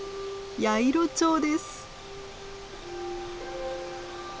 ヤイロチョウです。